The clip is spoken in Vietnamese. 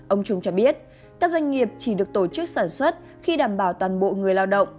ông trung cho biết các doanh nghiệp chỉ được tổ chức sản xuất khi đảm bảo toàn bộ người lao động